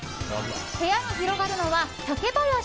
部屋に広がるのは竹林！